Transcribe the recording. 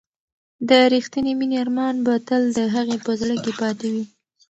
د ریښتینې مینې ارمان به تل د هغې په زړه کې پاتې وي.